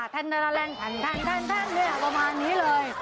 ครับฉันประมาณนี้เลย